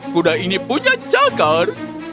kuda ini punya cakar